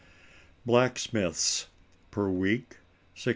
Blacksmiths, per week: $16.